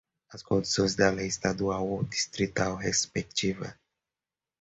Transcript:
as condições da lei estadual ou distrital respectiva